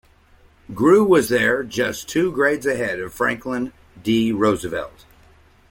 Grew was there just two grades ahead of Franklin D. Roosevelt.